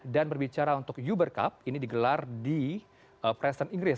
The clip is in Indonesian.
dan berbicara untuk uber cup ini digelar di preston inggris